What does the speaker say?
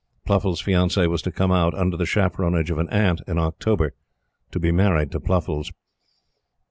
Pluffles' fiancee was to come out, under the chaperonage of an aunt, in October, to be married to Pluffles.